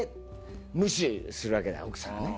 無視するわけだ奥さんがね。